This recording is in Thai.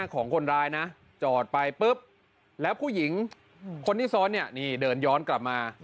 ของคนร้ายนะจอดไปปุ๊บแล้วผู้หญิงคนที่ซ้อนเนี่ยนี่เดินย้อนกลับมา